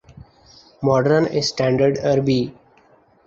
modern standard Arabi